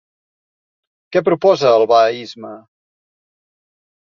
Què proposa el bahaisme?